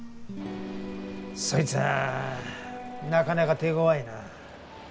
そいつぁなかなか手ごわいな。